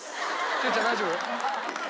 哲ちゃん大丈夫？